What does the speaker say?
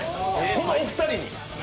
このお二人に。